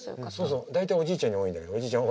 そう大体おじいちゃんに多いんだけどおじいちゃん